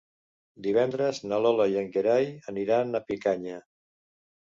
Divendres na Lola i en Gerai aniran a Picanya.